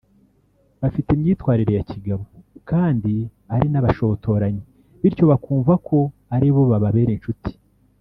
bafite imyitwarire ya kigabo kandi ari n’abashotoranyi bityo bakumva ko ari bo bababera inshuti